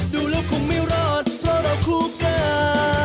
ดูแล้วคงไม่รอดเพราะเราคู่กัน